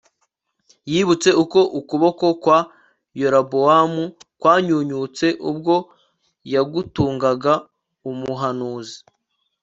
Yibutse uko ukuboko kwa Yerobowamu kwanyunyutse ubwo yagutungaga umuhanuzi